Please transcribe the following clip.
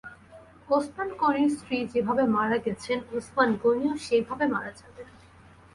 ওসমান গনির স্ত্রী যেভাবে মারা গেছেন-ওসমান গনিও সেইভাবে মারা যাবেন।